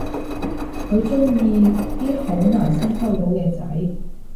佢鍾意啲好難先溝到嘅仔